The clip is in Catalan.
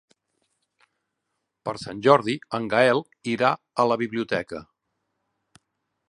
Per Sant Jordi en Gaël irà a la biblioteca.